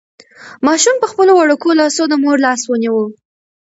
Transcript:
ماشوم په خپلو وړوکو لاسو د مور لاس ونیو.